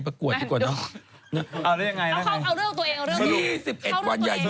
ประกวดครับพี่ดุ